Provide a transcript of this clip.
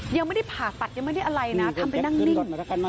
ยังไม่ได้ผ่าตัดยังไม่ได้อะไรนะทำไปนั่งนิ่ง